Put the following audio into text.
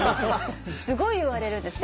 すごい言われるんです。